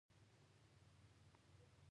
بوتل له رنګینو لیبلونو سره ښکاري.